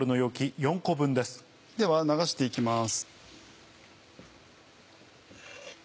では流して行きます。